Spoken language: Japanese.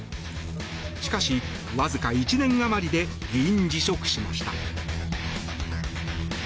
しかし、わずか１年余りで議員辞職しました。